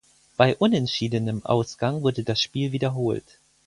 Bei unentschiedenem Ausgang wurde das Spiel wiederholt.